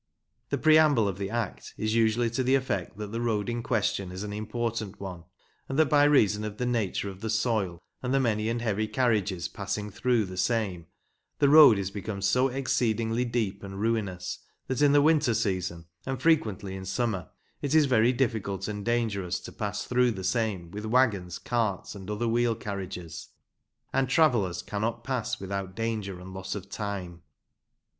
The preamble of the Act is usually to the effect that the road in question is an important one, and that by reason of the nature of the soil and the many and heavy carriages passing through the same, the road is become so exceeding deep and ruinous, that in the winter season, and frequently in summer, it is very difficult and dangerous to pass through the same with waggons, carts, and other wheel carriages, and travellers cannot pass without danger and loss of time.